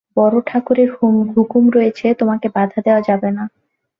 বড়োঠাকুরের হুকুম হয়েছে তোমাকে বাধা দেওয়া হবে না।